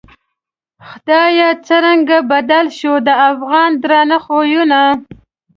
خدایه څرنگه بدل شوو، د افغان درانه خویونه